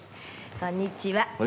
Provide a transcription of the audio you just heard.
「こんにちは」